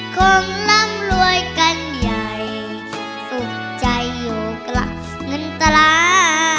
คงร่ำรวยกันใหญ่สุดใจอยู่กับเงินตรา